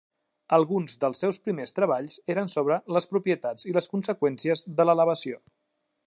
Alguns dels seus primers treballs eren sobre les propietats i les conseqüències de l'elevació.